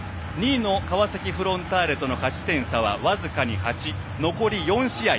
２位の川崎フロンターレ勝ち点差は僅かに８残り４試合